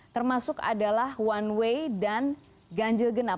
termasuk adalah one way dan ganjil genap